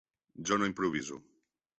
Jo no improviso.